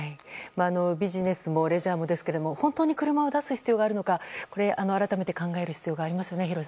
ビジネスもレジャーもですが本当に車を出す必要があるのか改めて考える必要がありますね。